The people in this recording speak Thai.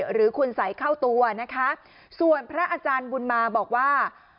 หรือคุณสัยเข้าตัวนะคะส่วนพระอาจารย์บุญมาบอกว่า